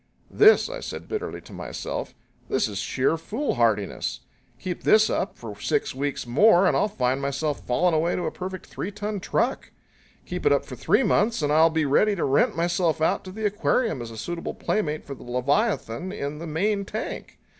"This," I said bitterly to myself "this is sheer foolhardiness! Keep this up for six weeks more and I'll find myself fallen away to a perfect three ton truck. Keep it up for three months and I'll be ready to rent myself out to the aquarium as a suitable playmate for the leviathan in the main tank.